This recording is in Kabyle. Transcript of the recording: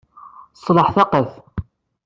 Ṣleḥ taqqet.